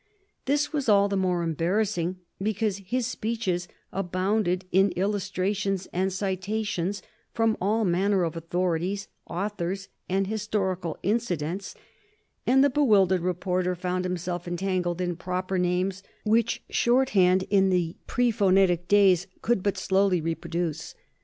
This was all the more embarrassing because his speeches abounded in illustrations and citations from all manner of authorities, authors, and historical incidents, and the bewildered reporter found himself entangled in proper names which shorthand in the pre phonetic days could but slowly reproduce.